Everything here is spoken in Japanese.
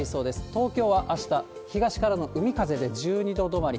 東京はあした、東からの海風で１２度止まり。